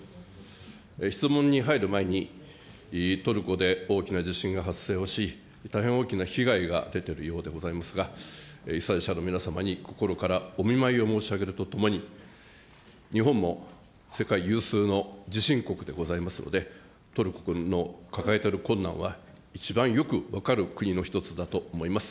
質問に入る前に、トルコで大きな地震が発生をし、大変大きな被害が出ているようでございますが、被災者の皆様に心からお見舞いを申し上げるとともに、日本も世界有数の地震国でございますので、トルコ国の抱えておる困難は一番よく分かる国の１つだと思います。